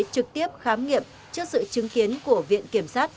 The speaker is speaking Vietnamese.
trực tiếp khám nghiệm trước sự chứng kiến của viện kiểm sát